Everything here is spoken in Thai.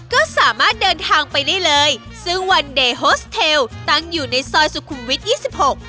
ก็สามารถเดินทางไปได้เลยซึ่งวันเดย์โฮสเทลตั้งอยู่ในซอยสุขุมวิทยี่สิบหก